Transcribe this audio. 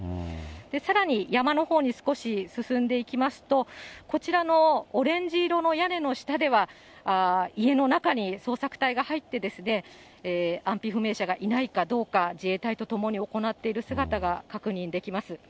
さらに山のほうに少し進んでいきますと、こちらのオレンジ色の屋根の下では、家の中に捜索隊が入って、安否不明者がいないかどうか、自衛隊と共に行っている姿が確認できます。